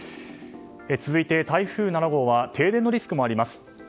続いて、台風７号は停電のリスクもあります。